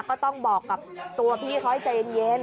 ก็ต้องบอกกับตัวพี่เขาให้ใจเย็น